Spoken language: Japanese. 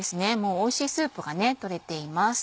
おいしいスープが取れています。